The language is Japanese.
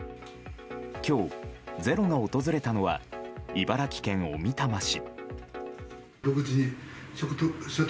今日、「ｚｅｒｏ」が訪れたのは茨城県小美玉市。